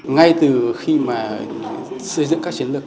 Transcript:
ngay từ khi mà xây dựng các chiến lược